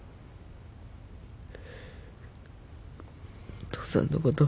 お父さんのことほ